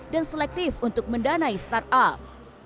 dan selektif untuk mendanai startup